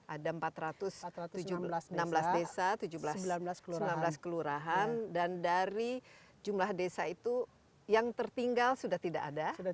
ada empat ratus enam belas desa enam belas kelurahan dan dari jumlah desa itu yang tertinggal sudah tidak ada